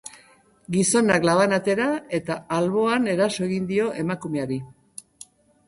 Gizonak labana atera eta alboan eraso egin dio emakumeari.